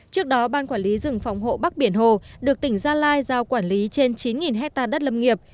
trước đó ban quản lý rừng phòng hộ bắc biển hồ được tỉnh gia lai giao quản lý trên chín hectare đất lâm nghiệp